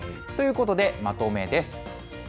ということで、まとめです。